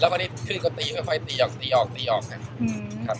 แล้วพอนี้ครีนก็ปายไฟปีออกนะครับ